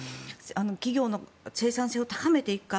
企業の生産性を高めていくか。